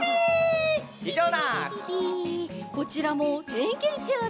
こちらもてんけんちゅうです。